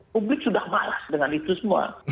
publik sudah malas dengan itu semua